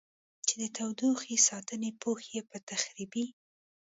چې د تودوخې ساتنې پوښ یې په تخریبي